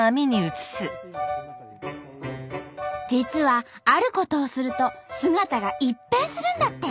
実はあることをすると姿が一変するんだって。